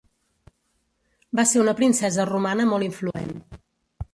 Va ser una princesa romana molt influent.